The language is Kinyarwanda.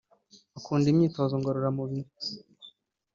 Akunda imyitozo ngororamubiri